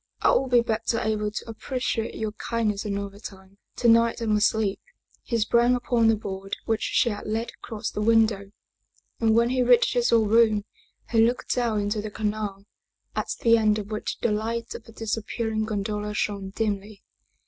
I will be better able to appreciate your kindness another time. To night I must sleep." He sprang upon the board which she had laid across the window, and when he reached his own room he looked down into the canal, at the end of which the light of the disappearing gondola shone dimly.